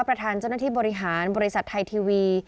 ประธานเจ้าหน้าที่บริหารบริษัทไทยทีวี